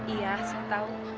iya saya tau